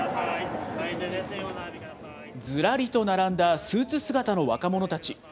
ずらりと並んだスーツ姿の若者たち。